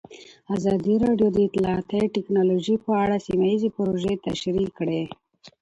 ازادي راډیو د اطلاعاتی تکنالوژي په اړه سیمه ییزې پروژې تشریح کړې.